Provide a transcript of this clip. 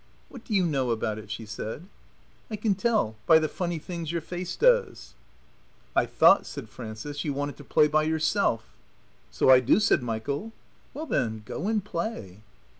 "What do you know about it?" she said. "I can tell by the funny things your face does." "I thought," said Frances, "you wanted to play by yourself." "So I do," said Michael. "Well then, go and play."